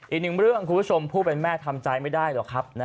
อีกหนึ่งเรื่องคุณผู้ชมผู้เป็นแม่ทำใจไม่ได้หรอกครับ